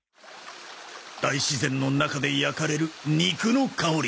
大自然の中で焼かれる肉の香り。